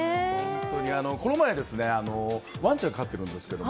この前ワンちゃんを飼ってるんですけど